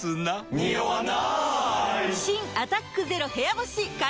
ニオわない！